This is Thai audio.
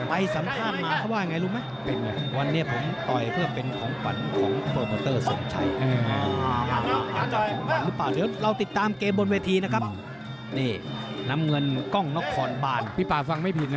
ไปสำคัญมาเขาว่าอย่างไรรู้ไหม